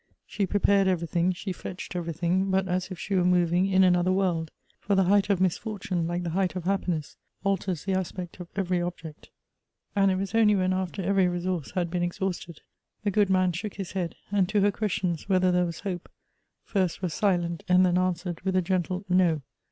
She prepared everything, she fetched everything, but as if she were moving in another world ; for the height 6f misfortune, like the height of happiness, alters the aspect of every object. And it was only when after every re source had been exhausted, the good man shook his head, and to her questions, whether there was hope, first was silent, and then answered with a gentle No